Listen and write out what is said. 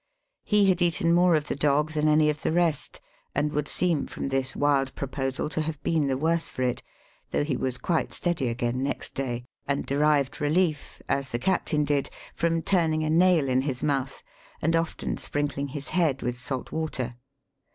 He had eaten more of the dog than any of the rest, and would seem from this wild proposal to have been the worse for it, though he was quite steady again next day, and derived relief (as the captain did), from turning a nail in his mouth, and often sprinkling his head with salt water.